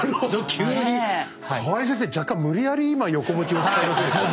急に河合先生若干無理やり今横文字を使いませんでした？